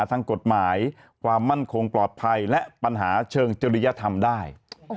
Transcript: ทางกฎหมายความมั่นคงปลอดภัยและปัญหาเชิงจริยธรรมได้